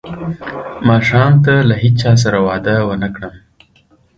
ماښام ته له هیچا سره وعده ونه کړم.